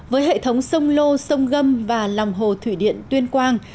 với hệ thống sông lô sông gâm và lòng hồ thủy điện tuyên quang